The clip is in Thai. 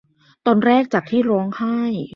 ตอนแรกจากที่ร้องให้